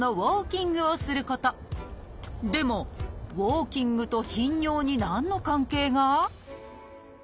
でもウォーキングと頻尿に何の関係が？